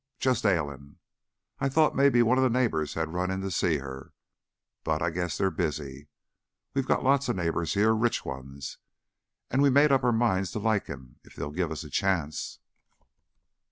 Just ailin'. I thought mebbe one of the neighbors had run in to see her, but I guess they're busy. We got lots of neighbors here, rich ones, an' we made up our minds to like 'em, if they'll give us a chance."